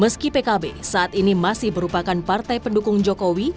meski pkb saat ini masih merupakan partai pendukung jokowi